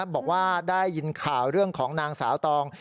บอกว่าได้ยินข่าวเรื่องของนางสาวตอง